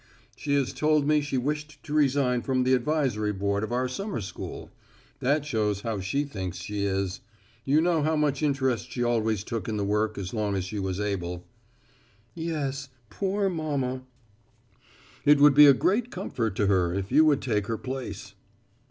"She has told me she wished to resign from the advisory board of our summer school. That shows how she thinks she is. You know how much interest she always took in the work as long as she was able." "Yes poor mama." "It would be a great comfort to her if you would take her place."